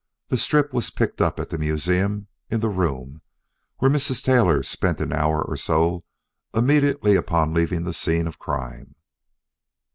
The strip was picked up at the museum in the room where Mrs. Taylor spent an hour or so immediately upon leaving the scene of crime.